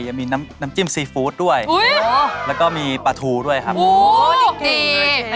ยังมีน้ำจิ้มซีฟู้ดด้วยแล้วก็มีปลาทูด้วยครับโอ้ดิกดี